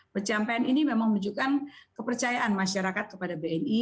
pencapaian ini memang menunjukkan kepercayaan masyarakat kepada bni